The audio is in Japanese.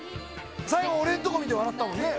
最後俺んとこ見て笑ったもんね。